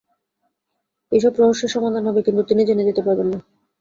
এইসব রহস্যের সমাধান হবে, কিন্তু তিনি জেনে যেতে পারবেন না।